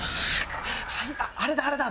あれだあれだ。